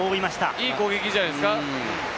いい攻撃じゃないですか。